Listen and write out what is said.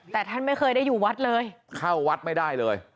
แต่ท่านไม่เคยได้อยู่วัดเลยเข้าวัดไม่ได้เลย